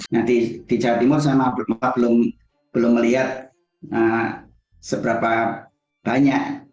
nanti di jawa timur saya belum melihat seberapa banyak